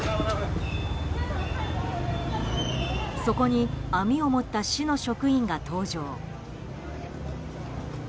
そこに網を持った市の職員が登場。